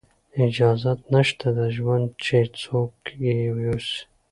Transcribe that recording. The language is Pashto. اجازت نشته د ژوند چې څوک یې یوسي